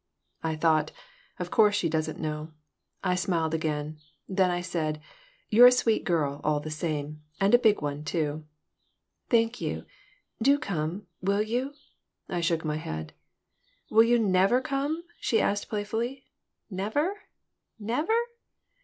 I thought, "Of course she doesn't know." I smiled again. Then I said: "You're a sweet girl, all the same. And a big one, too." "Thank you. Do come. Will you?" I shook my head "Will you never come?" she asked, playfully. "Never? Never?"